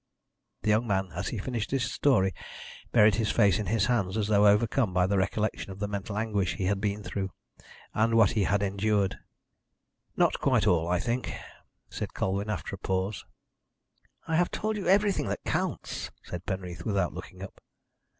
The young man, as he finished his story, buried his face in his hands, as though overcome by the recollection of the mental anguish he had been through, and what he had endured. "Not quite all, I think," said Colwyn, after a pause. "I have told you everything that counts," said Penreath, without looking up.